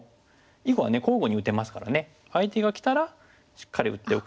囲碁は交互に打てますからね相手がきたらしっかり打っておくと。